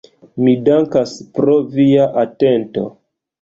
Mi dankas pro via atento.